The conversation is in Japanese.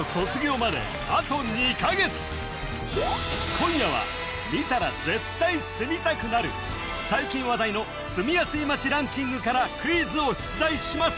今夜は見たら絶対住みたくなる最近話題の住みやすい街ランキングからクイズを出題します